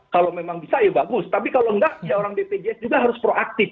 kalau memang bisa ya bagus tapi kalau enggak ya orang bpjs juga harus proaktif